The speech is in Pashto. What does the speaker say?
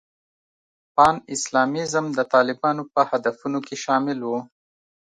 پان اسلامیزم د طالبانو په هدفونو کې شامل و.